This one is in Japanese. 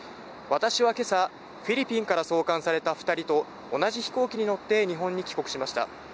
私は今朝、フィリピンから送還された２人と同じ飛行機に乗って日本に帰国しました。